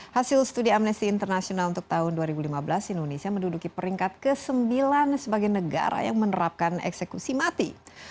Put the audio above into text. hasil studi amnesty international untuk tahun dua ribu lima belas indonesia menduduki peringkat ke sembilan sebagai negara yang menerapkan eksekusi mati